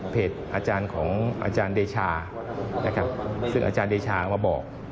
อาจารย์ของอาจารย์เดชานะครับซึ่งอาจารย์เดชามาบอก